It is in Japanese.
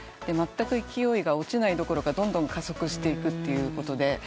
まったく勢いが落ちないどころかどんどん加速していくということで。